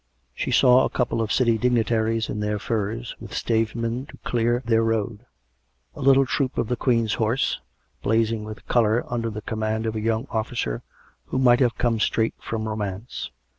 She saw a couple of City dignitaries in their furs, with stavesmen to clear their road; a little troop of the Queen's horse, blazing with colour, under the command of a young officer who might have come straight from Romance.